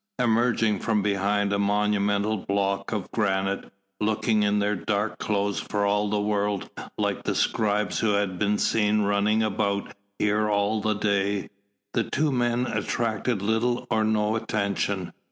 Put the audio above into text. Emerging from behind a monumental block of granite, looking in their dark clothes for all the world like the scribes who had been seen running about here all the day, the two men attracted little or no attention.